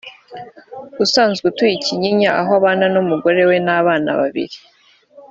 usanzwe utuye i Kinyinya aho abana n’umugore we n’abana babiri